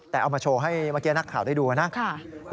แต่เอามาโชว์ให้เมื่อกี้นักข่าวได้ดูนะครับ